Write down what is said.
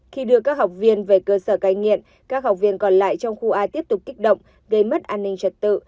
khi đưa các học viên về cơ sở cai nghiện các học viên còn lại trong khu a tiếp tục kích động gây mất an ninh trật tự